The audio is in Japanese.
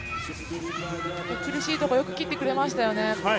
厳しいとこよく切ってくれましたよね。